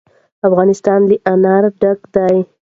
افغانستان له انار ډک دی.